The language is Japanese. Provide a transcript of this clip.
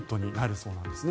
そうなんですね